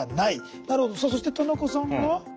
さあそして田中さんが？